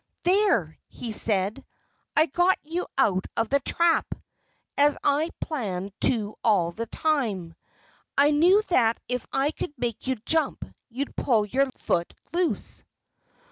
"There!" he said. "I got you out of the trap, as I had planned to all the time. I knew that if I could make you jump you'd pull your foot loose."